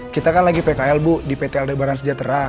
kita kan lagi pkl bu di pt aldebaran sejahtera